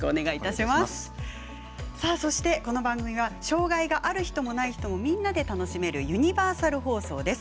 そして、この番組は障がいがある人もない人もみんなで楽しめるユニバーサル放送です。